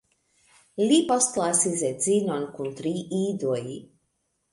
Li postlasis edzinon kun tri idoj.